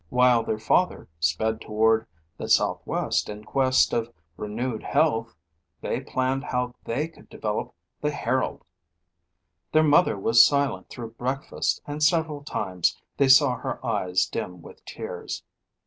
While their father sped toward the southwest in quest of renewed health, they planned how they could develop the Herald. Their mother was silent through breakfast and several times they saw her eyes dim with tears.